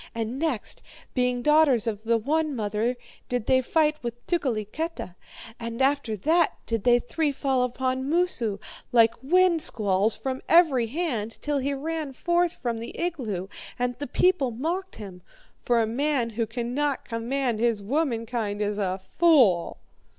And next, being daughters of the one mother, did they fight with Tukeliketa. And after that did they three fall upon Moosu, like wind squalls, from every hand, till he ran forth from the igloo, and the people mocked him. For a man who cannot command his womankind is a fool.'